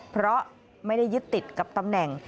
เพราะไม่ได้ยึดติดกับตำแหน่ง